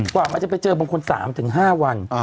กว่ามันจะไปเจอบางคน๓๕วัน